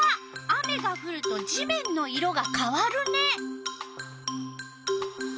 雨がふると地面の色がかわるね。